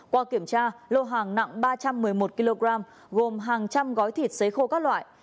qua kiểm tra lô hàng nặng ba trăm một mươi một kg gồm hàng trăm gói thịt xế khô các loại